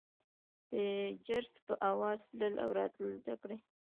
د جرس په اوزا تلل او راتلل زده کړه.